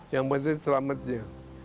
yang penting selamatnya